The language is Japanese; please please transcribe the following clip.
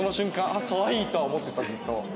「あっかわいい」とは思ってたずっと。